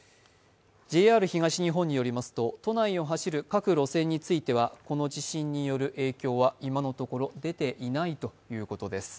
ＪＲ東日本によりますと都内を走る各路線についてはこの地震による影響は今のところ出ていないということです。